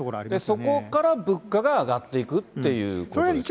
そこから物価が上がっていくっていうことですよね。